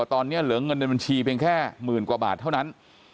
ตอนนี้เหลือเงินในบัญชีเพียงแค่หมื่นกว่าบาทเท่านั้น